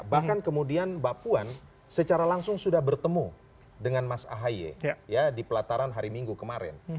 bahkan kemudian mbak puan secara langsung sudah bertemu dengan mas ahaye di pelataran hari minggu kemarin